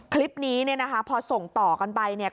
คลิปนี้เนี่ยนะคะพอส่งต่อกันไปเนี่ย